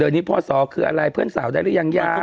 เดี๋ยวนี้พศคืออะไรเพื่อนสาวได้หรือยังยัง